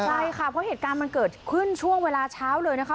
ใช่ค่ะเพราะเหตุการณ์มันเกิดขึ้นช่วงเวลาเช้าเลยนะคะ